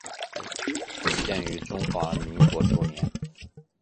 建于中华民国初年。